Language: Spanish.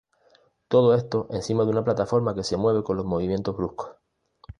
Todo esto encima de una plataforma que se mueve con los movimientos bruscos.